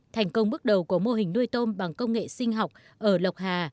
thành công bước đầu của mô hình nuôi tôm bằng công nghệ sinh học ở lộc hà